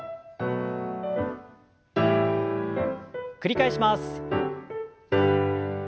繰り返します。